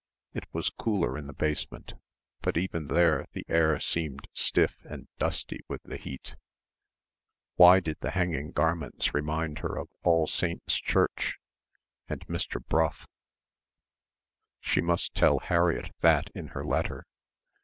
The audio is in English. It was cooler in the basement but even there the air seemed stiff and dusty with the heat. Why did the hanging garments remind her of All Saints' Church and Mr. Brough? ... she must tell Harriett that in her letter